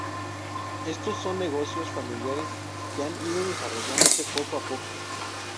Estos son negocios familiares que han ido desarrollándose poco a poco.